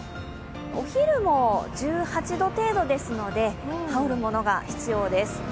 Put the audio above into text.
お昼も１８度程度ですので羽織るものが必要です。